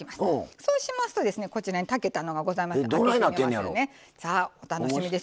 そうしますと、こちらに炊けたのがあります。